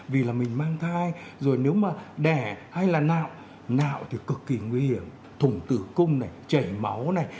vì là mình mang thai rồi nếu mà đẻ hay là nạo nạo thì cực kỳ nguy hiểm thùng tử cung này chảy máu này